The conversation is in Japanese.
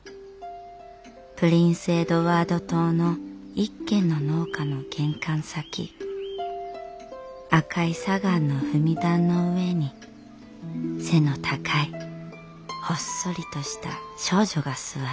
プリンス・エドワード島の一軒の農家の玄関先赤い砂岩の踏み段の上に背の高いほっそりとした少女が座っていた」。